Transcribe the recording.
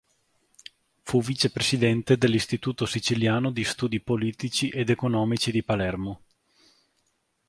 Fu vicepresidente dell'Istituto siciliano di studi politici ed economici di Palermo.